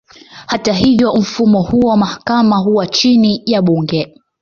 Hata hivyo, mfumo huo wa mahakama huwa chini ya bunge.